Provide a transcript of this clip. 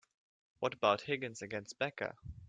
What about Higgins against Becca?